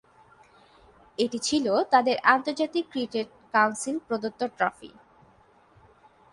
এটি ছিল তাদের আন্তর্জাতিক ক্রিকেট কাউন্সিল প্রদত্ত ট্রফি।